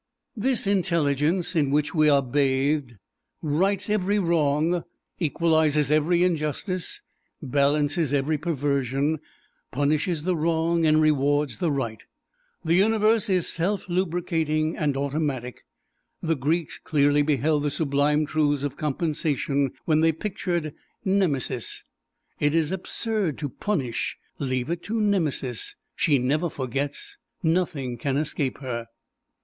This intelligence in which we are bathed rights every wrong, equalizes every injustice, balances every perversion, punishes the wrong and rewards the right. The Universe is self lubricating and automatic. The Greeks clearly beheld the sublime truths of Compensation when they pictured Nemesis. It is absurd to punish leave it to Nemesis she never forgets nothing can escape her.